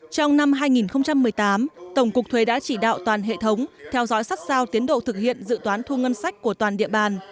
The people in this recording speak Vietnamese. trong năm hai nghìn một mươi tám tổng cục thuế đã chỉ đạo toàn hệ thống theo dõi sát sao tiến độ thực hiện dự toán thu ngân sách của toàn địa bàn